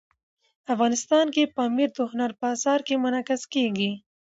افغانستان کې پامیر د هنر په اثار کې منعکس کېږي.